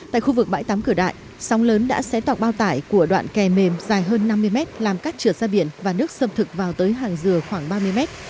tại khu vực bãi tắm cửa đại sóng lớn đã xé tọc bao tải của đoạn kè mềm dài hơn năm mươi mét làm cắt trượt ra biển và nước sâm thực vào tới hàng dừa khoảng ba mươi mét